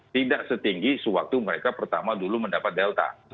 tidak setinggi sewaktu mereka pertama dulu mendapat delta